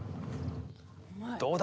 どうだ？